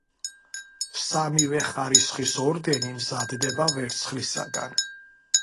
სამივე ხარისხის ორდენი მზადდება ვერცხლისაგან.